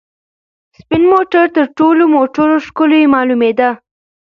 سپین موټر تر ټولو موټرو ښکلی معلومېده.